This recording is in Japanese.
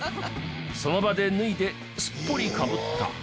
その場で脱いですっぽりかぶった。